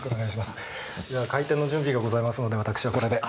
じゃ開店の準備がございますので私はこれで失礼します。